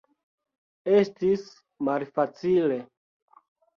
Estis malfacile.